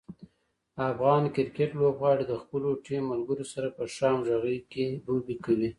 افغان کرکټ لوبغاړي د خپلو ټیم ملګرو سره په ښه همغږي کې لوبې کوي.